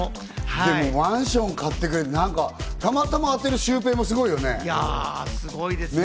でもマンション買ってくれって、たまたま当てるシュウペイもすごいよね。